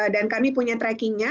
dan kami punya trackingnya